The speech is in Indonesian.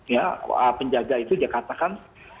ya penjaga itu dia katakan